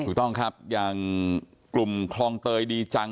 ถูกต้องครับอย่างกลุ่มคลองเตยดีจัง